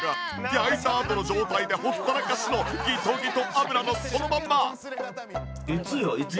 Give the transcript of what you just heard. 焼いたあとの状態でほったらかしのギトギト油もそのまんま！